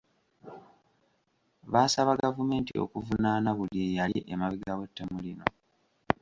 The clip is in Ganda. Baasaba gavumenti okuvunaana buli eyali emabega w’ettemu lino.